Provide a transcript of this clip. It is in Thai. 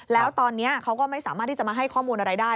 แล้วตอนนี้เขาก็ไม่สามารถที่จะมาให้ข้อมูลอะไรได้